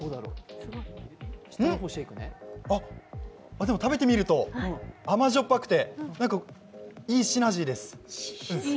でも食べてみると甘塩っぱくて、いいシナジーです。